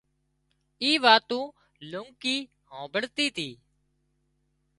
اُي واتُون لونڪي هامڀۯتي تي